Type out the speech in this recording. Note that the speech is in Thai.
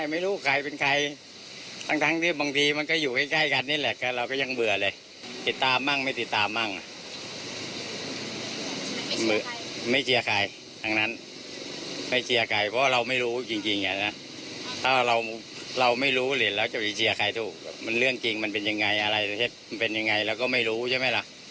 มันเป็นยังไงเราก็ไม่รู้ใช่ไหมล่ะ